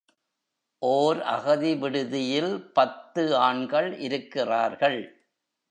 ஒர் அகதி விடுதியில் பத்து ஆண்கள் இருக்கிறார்கள்.